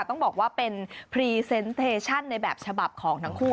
ต้องบอกว่าเป็นพรีเซนต์เทชั่นในแบบฉบับของทั้งคู่